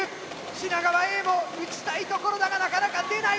品川Ａも撃ちたいところだがなかなか出ない！